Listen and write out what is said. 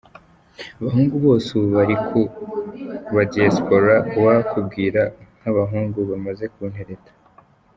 Abahungu bose ubu bari ku ba Diaspora, uwakubwira nk’abahungu bamaze kuntereta.